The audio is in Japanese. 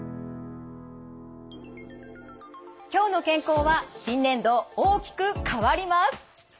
「きょうの健康」は新年度大きく変わります。